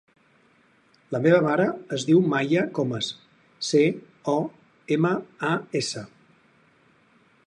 La meva mare es diu Maya Comas: ce, o, ema, a, essa.